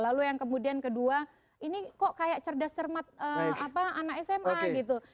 lalu yang kemudian kedua ini kok kayak cerdas cermat anak sma gitu